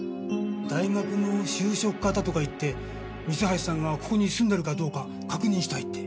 大学の就職科だとか言って三橋さんがここに住んでるかどうか確認したいって。